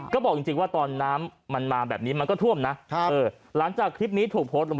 ก็บอกจริงว่าตอนน้ำมันมาแบบนี้มันก็ท่วมนะหลังจากคลิปนี้ถูกโพสต์ลง